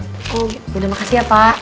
terima kasih ya pak